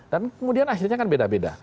dan kemudian akhirnya kan beda beda